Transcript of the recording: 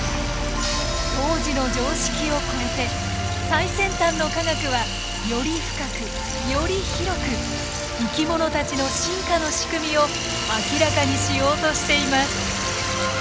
最先端の科学はより深くより広く生き物たちの進化の仕組みを明らかにしようとしています。